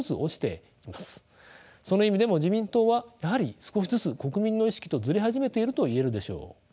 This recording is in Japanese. その意味でも自民党はやはり少しずつ国民の意識とずれ始めているといえるでしょう。